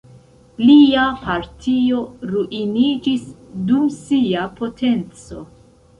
Lia partio ruiniĝis dum sia potenco.